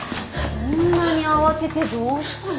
そんなに慌ててどうしたの？